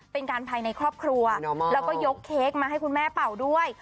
เป็นการภายในครอบครัวแล้วก็ยกเค้กมาให้คุณแม่เป่าด้วย